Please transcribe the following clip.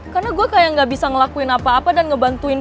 karena gua kayak gak bisa ngelakuin apa apa dan ngebantuin